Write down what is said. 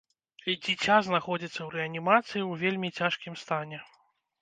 Дзіця знаходзіцца ў рэанімацыі ў вельмі цяжкім стане.